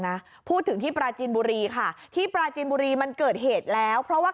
นะพูดถึงที่ปราจินบุรีค่ะที่ปราจินบุรีมันเกิดเหตุแล้วเพราะว่า